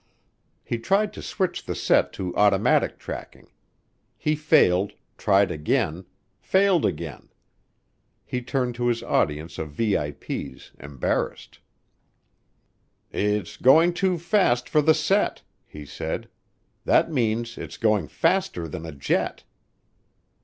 He tried to switch the set to automatic tracking. He failed, tried again, failed again. He turned to his audience of VIPs, embarrassed. "It's going too fast for the set," he said. "That means it's going faster than a jet!"